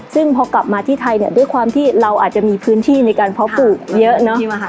ซึ่งพอกลับมาที่ไทยเนี่ยด้วยความที่เราอาจจะมีพื้นที่ในการเพาะปลูกเยอะเนาะ